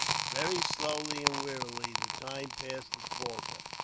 Very slowly and wearily the time passed at Falta.